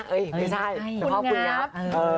ไม่ใช่คุณงับ